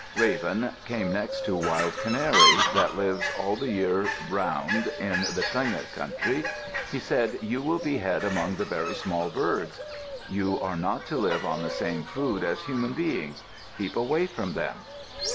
Raven came next to Wild Canary, that lives all the year around in the Tlingit country. He said, "You will be head among the very small birds. You are not to live on the same food as human beings. Keep away from them."